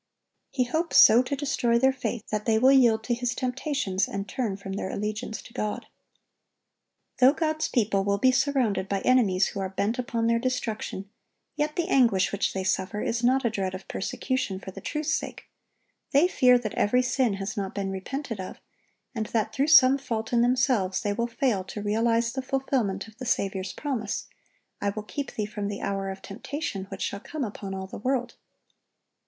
He hopes so to destroy their faith that they will yield to his temptations, and turn from their allegiance to God. Though God's people will be surrounded by enemies who are bent upon their destruction, yet the anguish which they suffer is not a dread of persecution for the truth's sake; they fear that every sin has not been repented of, and that through some fault in themselves they will fail to realize the fulfilment of the Saviour's promise, "I will keep thee from the hour of temptation, which shall come upon all the world."